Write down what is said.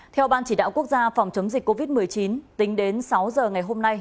theo ban chỉ đạo quốc gia phòng chống dịch covid một mươi chín tính đến sáu giờ ngày hôm nay